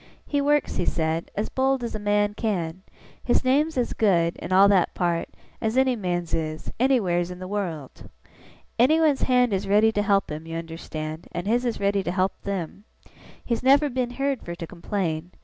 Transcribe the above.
'He works,' he said, 'as bold as a man can. His name's as good, in all that part, as any man's is, anywheres in the wureld. Anyone's hand is ready to help him, you understand, and his is ready to help them. He's never been heerd fur to complain.